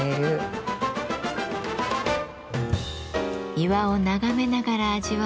庭を眺めながら味わう